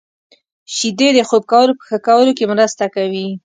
• شیدې د خوب کولو په ښه کولو کې مرسته کوي.